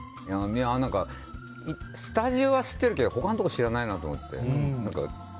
何かスタジオは知ってるけど他のところ知らないなと思って。